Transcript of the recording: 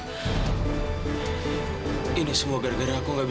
aku sudah merasakan dia berhubungan dengan ibu sendiri wih